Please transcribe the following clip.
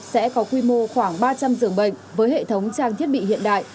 sẽ có quy mô khoảng ba trăm linh dường bệnh với hệ thống trang thiết bị hiện đại